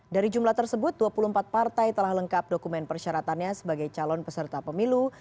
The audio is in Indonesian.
dari jumlah tersebut dua puluh empat partai telah lengkap dokumen persyaratannya sebagai calon peserta pemilu